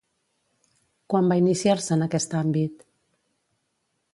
Quan va iniciar-se en aquest àmbit?